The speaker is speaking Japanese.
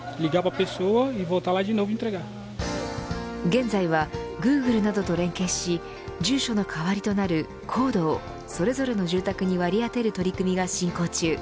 現在はグーグルなどと連携し住所の代わりとなるコードをそれぞれの住宅に割り当てる取り組みが進行中。